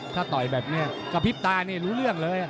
ถ้าต่อยแบบนี้กระพริบตานี่รู้เรื่องเลย